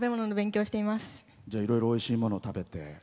いろいろおいしいものを食べて。